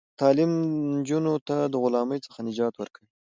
تعلیم نجونو ته د غلامۍ څخه نجات ورکوي.